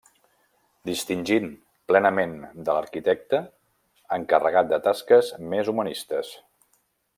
Distingint plenament de l'arquitecte, encarregat de tasques més humanistes.